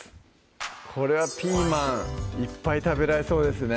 これはピーマンいっぱい食べられそうですね